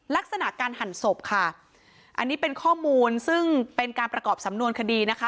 ลักษณะการหั่นศพค่ะอันนี้เป็นข้อมูลซึ่งเป็นการประกอบสำนวนคดีนะคะ